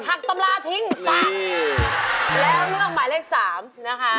หักตำราทิ้ง๓แล้วเลือกหมายเลข๓นะฮะ